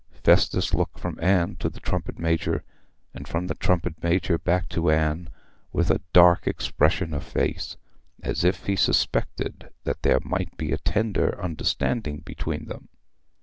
Festus looked from Anne to the trumpet major, and from the trumpet major back to Anne, with a dark expression of face, as if he suspected that there might be a tender understanding between them.